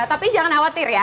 tapi jangan khawatir ya